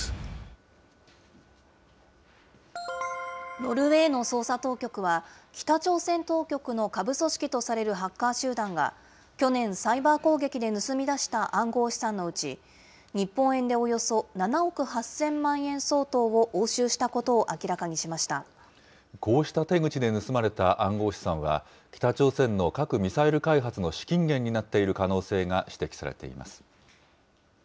ノルウェーの捜査当局は、北朝鮮当局の下部組織とされるハッカー集団が、去年、サイバー攻撃で盗み出した暗号資産のうち、日本円でおよそ７億８０００万円相当を押収したことを明らかにしこうした手口で盗まれた暗号資産は、北朝鮮の核・ミサイル開発の資金源になっている可能性が指摘されています。